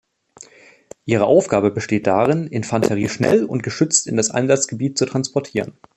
Ihre Aufgabe besteht darin, Infanterie schnell und geschützt in das Einsatzgebiet zu transportieren.